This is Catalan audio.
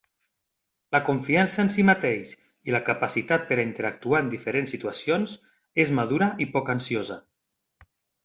La confiança en si mateix i la capacitat per a interactuar en diferents situacions és madura i poc ansiosa.